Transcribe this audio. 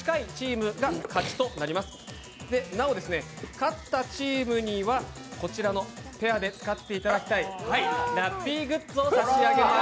勝ったチームにはペアで使っていただきたいラッピーグッズをさしあげます。